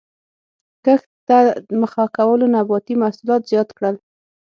کښت ته مخه کولو نباتي محصولات زیات کړل.